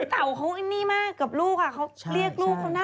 เต๋าเขานี่มากกับลูกอ่ะเขาเรียกลูกเขาน่ารักมาก